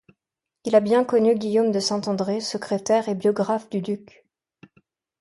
Il a bien connu Guillaume de Saint-André, secrétaire et biographe du duc.